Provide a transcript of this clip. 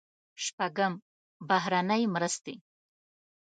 شپږم: بهرنۍ مرستې.